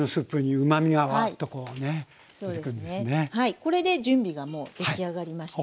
これで準備がもう出来上がりました。